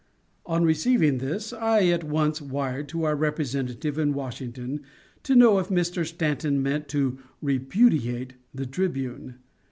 On receiving this I at once wired to our representative in Washington to know if Mr. Stanton meant to "repudiate" the Tribune.